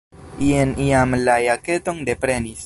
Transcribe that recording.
Jen jam la jaketon deprenis.